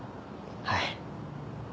はい。